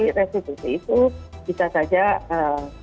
jadi restitusi itu bisa saja tidak terlalu banyak